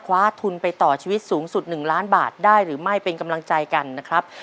คว้าทุนไปต่อชีวิตสูงสุด๑ล้านบาทได้หรือไม่เป็นกำลังใจกันนะครับ